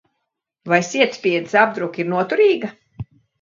Vai sietspiedes apdruka ir noturīga?